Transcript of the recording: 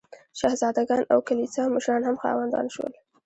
شهزاده ګان او کلیسا مشران هم خاوندان شول.